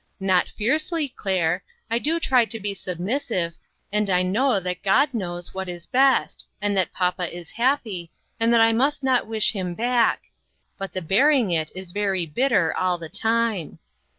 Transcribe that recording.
Not fiercely, Claire ; I do try to be submis sive, and I know that God knows what is best, and that papa is happy, and that I must not wish him back ; but the bearing it is very bitter all the time.